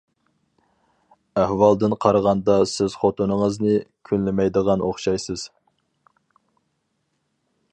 ئەھۋالدىن قارىغاندا سىز خوتۇنىڭىزنى كۈنلىمەيدىغان ئوخشايسىز.